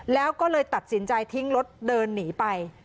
แล้วก็เลยตัดสินใจทิ้งรถเดินหนีไป